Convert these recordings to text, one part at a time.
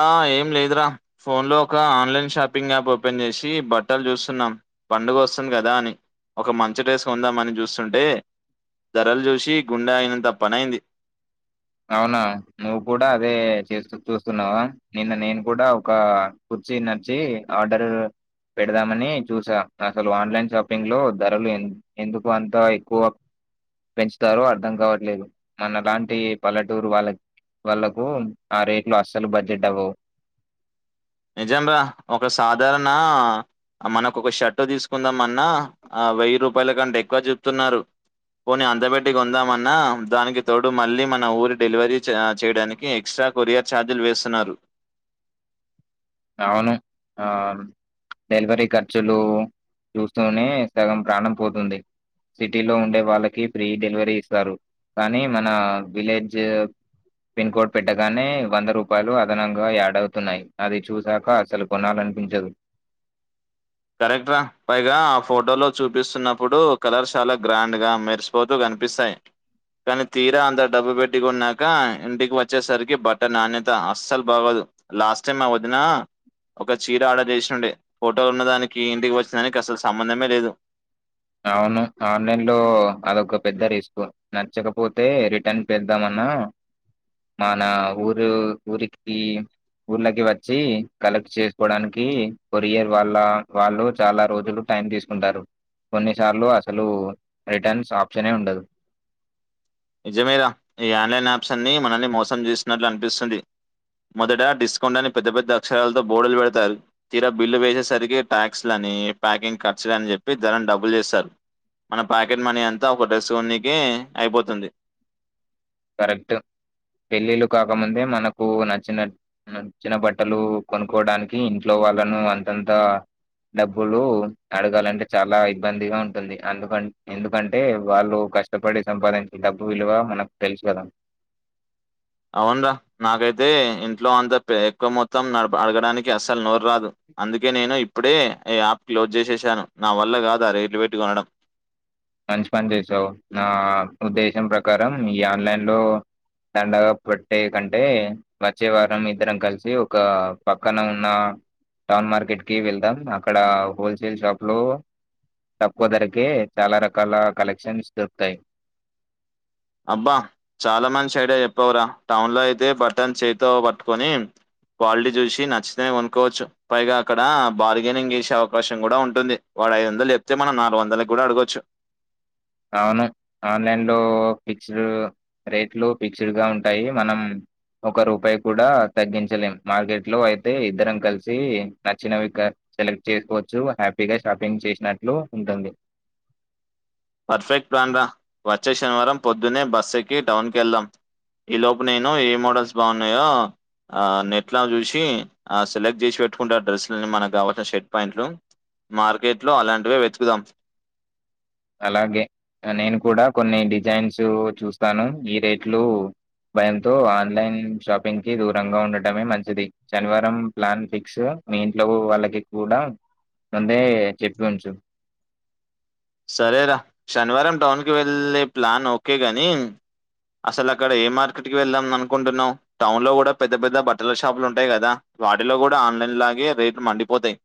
ఆ ఏం లేదురా ఫోన్లో ఒక ఆన్లైన్ షాపింగ్ యాప్ ఓపెన్ చేశి బట్టలు చూస్తున్నాం. పండుగ వస్తుంది కదా అని ఒక మంచి డ్రెస్సు కొందామని చూస్తుంటే ధరలు చూశి గుండె ఆగినంత పనయ్యింది. అవునా నువ్వు కూడా అదే చేస్త్ చూస్తున్నావా. నిన్న నేను కూడా ఒక కుర్చీ నచ్చి ఆర్డర్ పెడదామని చూసా అసలు ఆన్లైన్ షాపింగ్లో ధరలు ఎం ఎందుకు అంతా ఎక్కువ పెంచుతారో అర్థం కావట్లేదు, మన అలాంటి పల్లెటూరు వాళ్ళ వాళ్ళలకు ఆ రేట్లు అస్సలు బడ్జెట్ అవ్వవు. నిజం రా ఒక సాధారణ మనకు ఒక షర్ట్ తీసుకుందాం అన్న ఆ వెయ్యి రూపాయల కంటే ఎక్కువ చెప్తున్నారు పోని అంతబెట్టి కొందామన్నా దానికి తోడు మళ్ళీ మన ఊరి డెలివరీ చేయడానికి ఎక్స్ట్రా కొరియర్ ఛార్జీలు వేస్తున్నారు అవును ఆ డెలివరీ ఖర్చులు చూస్తూనే సగం ప్రాణం పోతుంది సిటీలో ఉండే వాళ్ళకి ఫ్రీ డెలివరీ ఇస్తారు కానీ మన విలేజ్ పిన్ కోడ్ పెట్టగానే వంద రూపాయలు అదనంగా యాడ్ అవుతున్నాయి అది చూ సాక అసలు కొనాలనిపించదు కరెక్టరా పైగా ఆ ఫోటో లో చూపిస్తున్నప్పుడు కలర్ చాలా గ్రాండ్ గా మెర్సు పోతూ కనిపిస్థాయి కానీ తీర అంత డబ్బు పెట్టి కొన్నాక ఇంటికి వచ్చేసరికి బట్ట నాణ్యత అస్సలు బాగోదు లాస్ట్ టైమ్ మా వదిన ఒక చీర ఆర్డర్ చేసుండే ఫోటో ఉన్నదానికి ఇంటికి వచ్చిన దానికి అసలు సంబంధమే లేదు అవును ఆన్లైన్ లో అదొక పెద్ద రిస్కు నచ్చకపోతే రిటర్న్ చేద్దామన్న మానా ఊరు ఊరికి ఊళ్ళకి వచ్చి కలెక్ట్ చేసుకోవడానికి కోరియర్ వాళ్ళ వాళ్ళు చాలా రోజులు టైం తీసుకుంటారు కొన్నిసార్లు అసలు రిటర్న్స్ ఆప్షనే ఉండదు నిజమేర ఈ ఆన్లైన్ యాప్స్ అన్ని మనల్ని మోసం చేసినట్లు అనిపిస్తుంది మొదట డిస్కౌంట్ అని పెద్ద పెద్ద అక్షరాలతో బోడులు పెడతారు తీర బిల్లు వేసేసరికి ట్యాక్స్ లని ప్యాకింగ్ ఖర్చు అని చెప్పి ధరం డబుల్ చేస్తారు మన ప్యాకెట్ మనీ అంత ఒక డ్రెస్ కోన్నికే అయిపోతుంది కరెక్ట్ పెళ్ళిళ్ళ కాకముందే మనకు నచ్చిన నచ్చిన బట్టలు కొనుక్కోడానికి ఇంట్లో వాళ్ళను అంతంతా డబ్బులు అడగాలంటే చాల ఇబ్బందిగా ఉంటుంది అందుక ఎందుకంటే వాళ్ళు కష్ట కష్టపడి సంపాదించే డబ్బు విలువ మనకు తెలుసు కదా అవునురా నాకైతే ఇంట్లో అంత ఎక్కువ మొత్తం అడగడానికి అస్సలు నోరు రాదు అందుకే నేను ఇప్పుడే ఈ యాప్ క్లోజ్ చేసేసాను నా వల్ల కాదు ఆ రేట్లు పెట్టి కొనడం మంచి పని చేసావు నా ఉద్దేశం ప్రకారం ఈ ఆన్లైన్ లో దండగ పట్టే కంటే వచ్చే వారం ఇద్దరం కలిసి ఒక పక్కన ఉన్న టౌన్ మార్కెట్ కి వెళ్దాం అక్కడ హోల్సేల్ షాప్ లో తక్కువ ధరకే చాలా రకాల కలెక్క్షన్స్ దొరుకుతాయి అబ్బ చాలా మంచి సైడ చెప్పవురా టౌన్ లో అయితే బట్టన్ చేతో పట్టుకొని [unintelligible] చూసి నచ్చితేనే కొనుక్కోవచ్చు పైగా అక్కడ బార్గెనింగ్ చేసే అవకాశం కూడా ఉంటుంది వాడు ఐదు వందలు చెప్తే మనం నాలుగు వందలకి కూడ అడగొచ్చు ఆవును ఆన్లైన్ లో ఫిక్స్డ్ రేట్లు ఫిక్స్డ్ గా ఉంటాయి మనం ఒక రూపాయి కూడ తగ్గించలేం మార్కెట్లో అయితే ఇద్దరం కలిసి నచ్చినవి సెలెక్ట్ చేసుకోవచ్చు హ్యాపీగా షాపింగ్ చేసినట్లు ఉంటుంది పర్ఫెక్ట్ ప్లాన్రా వచ్చే శనివారం పొద్దునే బస్ ఎక్కి టౌన్కి వెళ్దాం ఈ లోపు నేను ఏ మోడల్స్ బాగున్నాయో ఆ నెట్లా చూసి ఆ సెలెక్ట్ చేసి పెట్టుకుంట ఆ డ్రెస్సులని మనకు కావాల్సిన షర్ట్ ప్యాంట్లు మార్కెట్ లో అలాంటివే వెతుకుదాం అలాగే నేను కూడ కొన్ని డిజైన్స్ చూస్తాను ఈ రేట్లు భయంతో ఆన్లైన్ షాపింగ్ కి దూరంగా ఉండటమే మంచిది శనివారం ప్లాన్ ఫిక్స్ మీ ఇంట్లో వాళ్ళకి కూడా ముందే చెప్పి ఉంచు సరేరా శనివారం టౌన్ కి వెళ్ళే ప్లాన్ ఓకే గాని అసలు అక్కడ ఏ మార్కెట్కి వెళ్దాం అనుకుంటున్నావు టౌన్ లో కూడా పెద్ద పెద్ద బట్టల షాపులు ఉంటాయి కదా వాటిలో కూడా ఆన్లైన్ లాగే రేట్లు మండిపోతాయి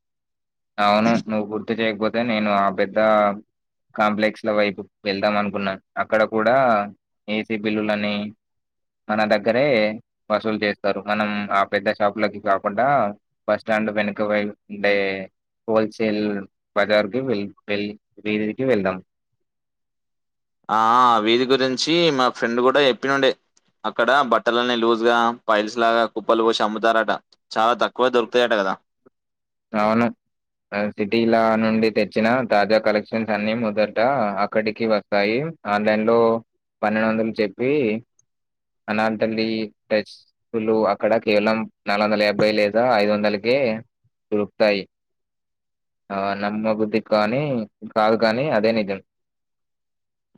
అవును నువ్వు గుర్తు చేయకపోతే నేను ఆ పెద్ద కాంప్లెక్స్ లో వైపు వెళ్దాం అనుకున్నాను అక్కడ కూడా ఏసీ బిల్లులని మన దగ్గరే వసూలు చేస్తారు మనం ఆ పెద్ద షాపులకి కాకుండా బస్టాండ్ వెనుకవైపుండే హోల్సేల్ బజార్ ది వెల్ వే వీధికి వెళ్దాం ఆ వీధి గురించి మా ఫ్రెండ్ కూడా చెప్పినండే అక్కడ బట్టలన్నీ లూజ్ గా పైల్స్ లాగా కుప్పలు పోసి అమ్ముతారట చాలా తక్కువ దొరుకుతాయట కదా అవును సిటీలా నుండి తెచ్చిన తాజా కలెక్షన్స్ అన్ని మొదట అక్కడికి వస్తాయి ఆన్లైన్ లో పన్నెండు వందలు చెప్పి అలాంటండి ప్రైస్ షులు అక్కడ కేవలం నాలుగు వందల యాబ్బై లేదా ఐదు వందలకే దొరుకుతాయి ఆ నమ్మబద్ది కానీ కాదు కానీ అదే నిజం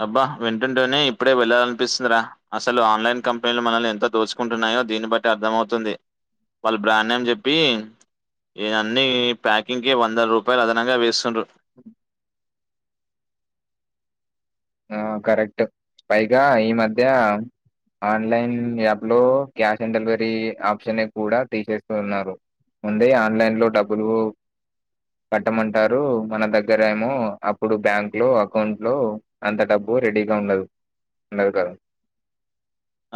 అబ్బా వింటుంటేనే ఇప్పుడే వెళ్ళాలినిపిస్తుందిరా అసలు ఆన్లైన్ కంపెనీలు మనల్ని ఎంత దోచుకుంటున్నాయో దీన్ని బట్టి అర్థమవుతుంది వాళ్ళు బ్రాండ్ నేమ్ జెప్పి ఇగ అన్ని ప్యాకింగ్ కి వంద రూపాయలు అదనంగా వేస్తుండ్రు అ [inaudible] ఆ కరెక్ట్ పైగా ఈ మధ్య ఆన్లైన్ యాప్ లో క్యాష్ ఆన్ డెలివరీ ఆప్షన్ కూడా తీసేస్తున్నారు ఉంది ఆన్లైన్ లో డబ్బులు కట్టమంటారు మన దగ్గర ఏమో అప్పుడు బ్యాంక్ లో అకౌంట్ లో అంత డబ్బు రెడీగా ఉండదు ఉండదు కదా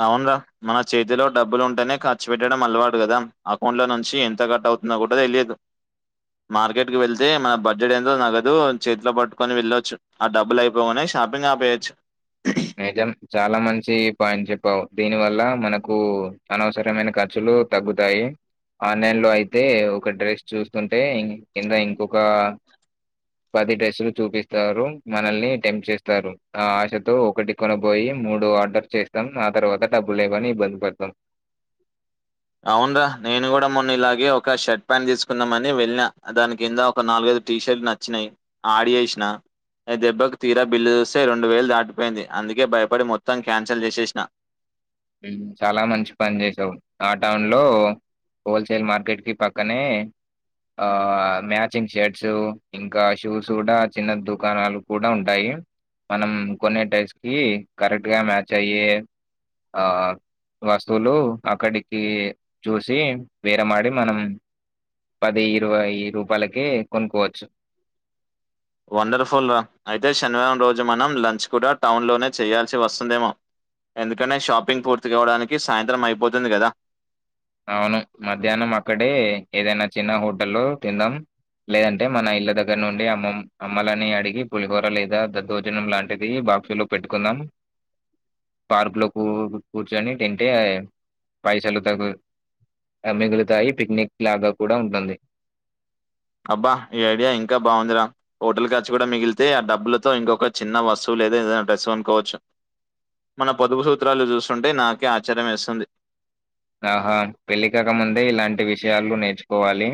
అవును రా మన చేతిలో డబ్బులు ఉంటేనే ఖర్చు పెట్టడం అలవాటు గదా అకౌంట్ లో నుంచి ఎంత కట్ అవు నాగూడ తెలియదు మార్కెట్ కి వెళ్తే మన బడ్జెట్ ఎంతో నగదు చేతిలో పట్టుకొని వెళ్ళొచ్చు ఆ డబ్బులు అయిపోగానే షాపింగ్ ఆపేయేచ్చు నిజం చాలా మంచి పాయింట్ చెప్పావు దీని వల్ల మనకు అనవసరమైన ఖర్చులు తగ్గుతాయి ఆన్లైన్ లో అయితే ఒక డ్రెస్ చూస్తుంటే కింద ఇంకొక పది డ్రెస్సులు చూపిస్తారు మనల్ని టెంప్ట్ చేస్తారు ఆ ఆశతో ఒకటి కొన బోయి మూడు ఆర్డర్ చేస్తాం ఆ తర్వాత డబ్బులు లేవని ఇబ్బంది పడతాం అవును రా నేను గూడా మొన్న ఇలాగే ఒక షర్ట్ ప్యాంట్ తీసుకుందామని వెళ్ళిన దాని కింద ఒక నాలుగైదు టీ షర్ట్ నచ్చినయి ఆడ్ జేసిన అ దెబ్బకు తీరా బిల్లు జూస్తే రెండు వేలు దాటిపోయింది అందుకే భయపడి మొత్తం క్యాన్సల్ జేసేసిన ఉమ్ చాలా మంచి పని జేసావు ఆ టౌన్ లో హోల్సేల్ మార్కెట్ కి పక్కనే ఆ మ్యాచింగ్ షర్ట్స్ ఇంకా షూస్ గూడా చిన్న దుకాణాలు కూడా ఉంటాయి మనం కొన్ని టైర్స్ కి కరెక్ట్ గా మ్యాచ్ అయ్యె ఆ వస్తువులు అక్కడికి చూసి బేరమాడి మనం పది ఇరవై రూపాయలకే కొనుక్కోవచ్చు వండర్ఫుల్ రా అయితే శనివారం రోజు మనం లంచ్ కూడా టౌన్ లోనే చేయాల్సి వస్తుందేమో ఎందుకంటే షాపింగ్ పూర్తి కావడానికి సాయంత్రం అయిపోతుంది గదా అవును మధ్యాహ్నం అక్కడే ఏదైనా చిన్న హోటల్ లో తిందాం లేదంటే మన ఇళ్ళ దగ్గర నుండి అమ్మ అమ్మలని అడిగి పులిహోర లేదా దద్దోజనం లాంటిది బాక్సులు పెట్టుకుందాం పార్క్ లో కూ కూర్చొని తింటే పైసలు తగు మిగులుతాయి పిక్నిక్ లాగా కూడా ఉంటుంది అబ్బా ఈ ఐడియా ఇంకా బాగుందిరా హోటల్ ఖర్చు గూడా మిగిలితే ఆ డబ్బులతో ఇంకొక చిన్న వస్తువు లేదా ఏదైనా డ్రస్సు కొనుకోవచ్చు మన పొదుపు సూత్రాలు జూస్తుంటే నాకే ఆశ్చర్యం వేస్తుంది ఆహా పెళ్ళికాక ముందే ఇలాంటి విషయాలు నేర్చుకోవాలి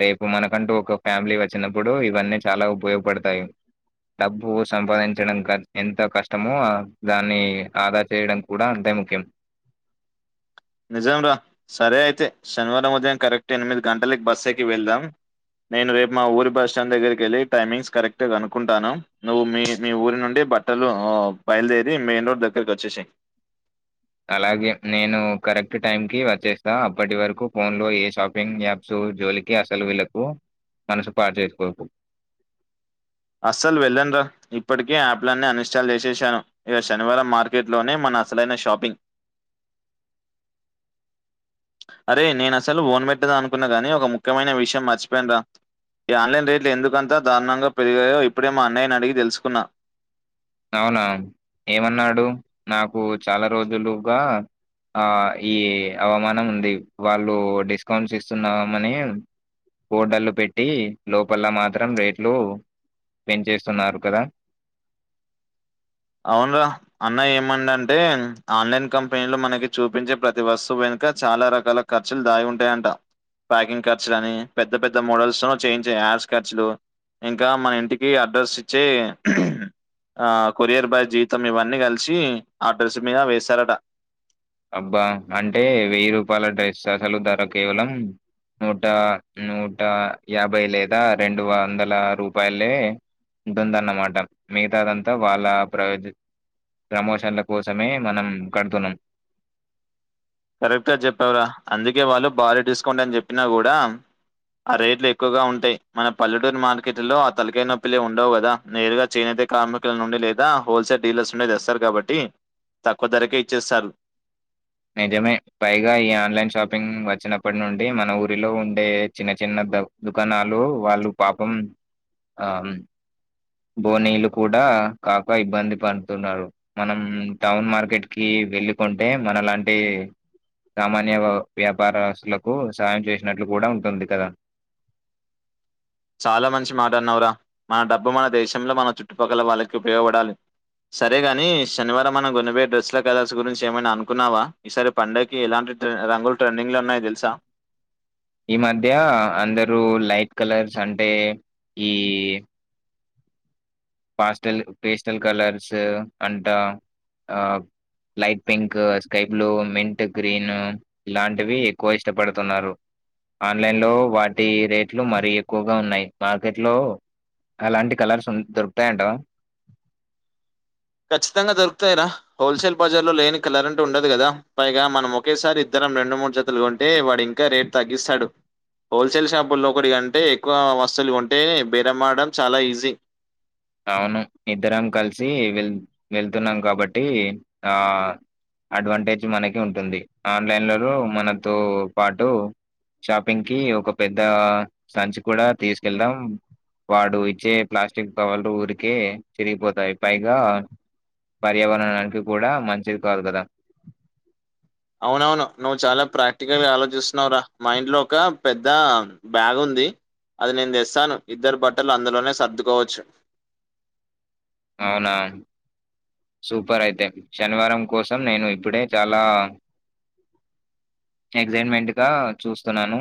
రేపు మనకంటూ ఒక ఫ్యామిలీ వచ్చినప్పుడు ఇవన్నీ చాలా ఉపయోగపడతాయి డబ్బు సంపాదించడం ఎంత కష్టమో దాన్ని ఆదా చేయడం కూడా అంతే ముఖ్యం నిజం రా సరే అయితే శనివారం ఉదయం కరెక్ట్ ఎనిమిది గంటలకి బస్ ఎక్కి వెళ్దాం నేను రేపు మా ఊరి బస్ స్టాండ్ దగ్గరికి వెళ్ళి టైమింగ్స్ కరెక్ట్ కనుకుంటాను నువ్వు మీ ఊరు నుండి బ ట్టలు ఓ బయలుదేరి మెయిన్ రోడ్ దగ్గరకి వచ్చేసి అలాగే నేను కరెక్ట్ టైం కి వచ్చేస్తా అప్పటి వరకు ఫోన్ లో ఏ షాపింగ్ యాప్ సు జోలికి అసలు వెళ్ళకు మనసు పాడు చేసుకో అస్సలు వెళ్ళన్ రా ఇప్పటికి యాప్లన్నీ అన్ ఇన్స్టాల్ జేసేసాను ఇక శనివారం మార్కెట్ లోనే మన అసలైన షాపింగ్ అరే నేను అసలు వోన్ పెట్టదా అనుకున్నా గాని ఒక ముఖ్యమైన విషయం మర్చిపోయినరా ఈ ఆన్లైన్ రేట్లు ఎందుకంతా దారుణంగా పెరిగాయో ఇప్పుడే మా అన్నయ్యని అడిగి తెలుసుకున్నా అవునా ఏమన్నాడు నాకు చాలా రోజులుగా ఆ ఈ అవమానం ఉంది వాళ్ళు డిస్కౌంట్స్ ఇస్తున్నామని కోడళ్లు పెట్టి లోపల మాత్రం రేట్లు పెంచేస్తున్నారు కదా అవున్రా అన్నయ్య ఏమన్ అంటే ఆన్లైన్ కంపెనీ లో మనకి చూపించే ప్రతి వస్తువు వెనుక చాలా రకాల ఖర్చులు దాగి ఉంటాయంట ప్యాకింగ్ ఖర్చులు అని పెద్ద పెద్ద మోడల్స్ తో చేంచే యాడ్స్ ఖర్చులు ఇంకా మన ఇంటికి అడ్రస్ ఇచ్చి ఆ కొరియర్ బాయ్ జీతం ఇవన్నీ కలిసి ఆ అడ్రస్ మీద వేేశారట అబ్బా అంటే వెయ్యి రూపాయల డ్రెస్ అసలు ధర కేవలం నూట నూట యాభై లేదా రెండు వందల రూపాయలే ఉంటుందన్నమాట మిగతాదంతా వాళ్ళ ప్రయోజ ప్రమోషన్ల కోసమే మనం కడుతున్నాం కరెక్ట్గా చెప్పవరా అందుకే వాళ్ళు బారి డిస్కౌంట్ అని చెప్పినా కూడా ఆ రేట్లు ఎక్కువగా ఉంటాయి మన పల్లెటూరు మార్కెట్ లో ఆ తలకాయి నొప్పిలే ఉండవు కదా నేరుగా చేనైతే కార్మికుల నుండి లేదా హోల్సేల్ డీలర్స్ నుండే తెస్తారు కాబట్టి తక్కువ ధరకే ఇచ్చేస్తారు నిజమే పైగా ఈ ఆన్లైన్ షాపింగ్ వచ్చినప్పటి నుండి మన ఊరిలో ఉండే చిన్న చిన్న దవ్ దుకాణాలు వాళ్ళు పాపం ఆ బోనీలు కూడా కాక ఇబ్బంది పడుతున్నారు మనం టౌన్ మార్కెట్ కి వెళ్ళకుంటే మన లాంటి సామాన్య వ్యాపారస్తులకు సహాయం చేసినట్లు కూడా ఉంటుంది కదా చాలా మంచి మాట అన్నవరా మన డబ్బు మన దేశంలో మన చుట్టుపక్కల వాళ్ళకి ఉపయోగపడాలి సరే గాని శనివారం మనం గొనబోయే డ్రెస్సుల కలర్స్ గురించి ఏమైనా అనుకున్నావా ఈసారి పండగకి ఎలాంటి రంగులు ట్రెండింగ్ లో ఉన్నాయి తెలుసా ఈ మధ్య అందరూ లైట్ కలర్స్ అంటే ఈ పాస్టల్ పేస్టల్ కలర్స్ అంటా ఆ light pink sky blue mint green ఇలాంటివి ఎక్కువ ఇష్టపడుతున్నారు ఆన్లైన్ లో వాటి రేట్లు మరీ ఎక్కువగా ఉన్నాయి మార్కెట్ లో అలాంటి కలర్స్ దొరుకుతాయంటవా ఖచ్చితంగా దొరుకుతాయిరా హోల్సేల్ బజార్ లో లేని కలర్ అంటు ఉండదు కదా పైగా మనం ఒకేసారి ఇద్దరం రెండు మూడు జతులు కొంటే వాడి ఇంకా రేట్ తగిస్తాడు హోల్సేల్ షాపుల్లో ఒకటి కంటే ఎక్కువ వస్తువులు కొంటేనే బేరంమాడడం చాలా ఈజీ అవును ఇద్దరం కలిసి వెళ్తున్నాం కాబట్టి ఆ అడ్వాంటేజ్ మనకి ఉంటుంది ఆన్లైన్లలో మనతో పాటు షాపింగ్ కి ఒక పెద్ద సంచి కూడా తీసుకెళ్దాం వాడు ఇచ్చే ప్లాస్టిక్ కవర్లు ఉరికే చిరిగిపోతాయి పైగా పర్యావరణానికి కూడా మంచిది కాదు కదా అవునవును నువ్వు చాలా ప్రాక్టికల్ గా ఆలోచిస్తున్నావురా మాఇంట్లో ఒక పెద్ద బ్యాగ్ ఉంది అది నేను తెస్తాను ఇద్దరు బట్టలు అందులోనే సర్దుకోవచ్చు అవునా సూపర్ అయితే శనివారం కోసం నేను ఇప్పుడే చాలా ఎక్సైట్మెంట్ గా చూస్తున్నాను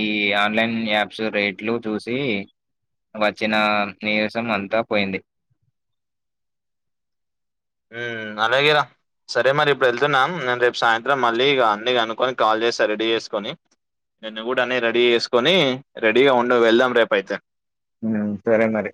ఈ ఆన్లైన్ యాప్స్ రేట్లు చూసి వచ్చిన నీరసం అంతా పోయింది హ్మ్ అలాగెరా సరే మరి ఇప్పుడు వెళ్తున్నాం నేను రేపు సాయంత్రం మళ్ళీ ఇక అన్ని కనుకొని కాల్ చేస్తా రెడీ చేసుకొని నేన్న కూడా అని రెడీ చేసుకొని రెడీగా ఉండు వెళ్దాం రేపు అయితే హ్మ్ సరే మరి